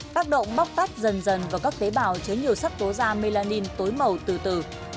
tác động bóc tắt dần dần vào các tế bào chứa nhiều sắc tố da melanin tối màu từ từ